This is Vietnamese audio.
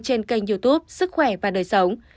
trên kênh youtube sức khỏe và đời sống